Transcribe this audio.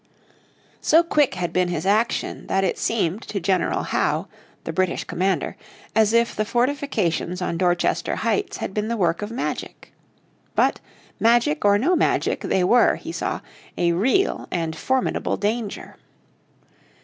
So quick had been his action that it seemed to General Howe, the British commander, as if the fortifications on Dorchester Heights had been the work of magic. But magic or no magic they were, he saw, a real and formidable danger.